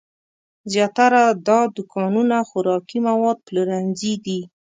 زیاتره دا دوکانونه خوراکي مواد پلورنځي دي.